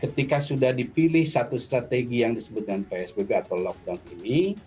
ketika sudah dipilih satu strategi yang disebut dengan psbb atau lockdown ini